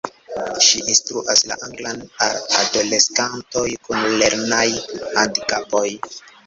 Ŝi instruas la anglan al adoleskantoj kun lernaj handikapoj.